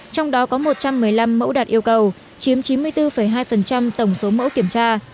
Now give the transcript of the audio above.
trong đó có một trăm một mươi năm mẫu đạt yêu cầu chiếm chín mươi bốn hai tổng số mẫu kiểm tra